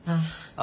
あ。